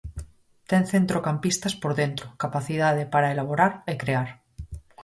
Ten centrocampistas por dentro, capacidade para elaborar e crear.